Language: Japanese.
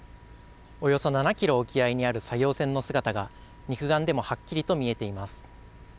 およそ７キロ沖合にある作業船の姿が肉眼でもはっきりと見えています。